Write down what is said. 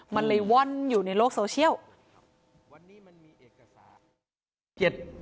มันเลยว่อนอยู่ในโลกโซเชียล